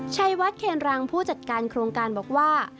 ชัยวัดเคนรังผู้จัดการโครงการบอกว่า